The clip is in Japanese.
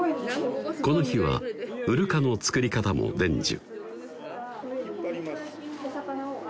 この日はうるかの作り方も伝授